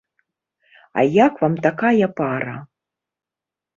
А як вам такая пара?